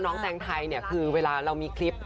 แตงไทยเนี่ยคือเวลาเรามีคลิป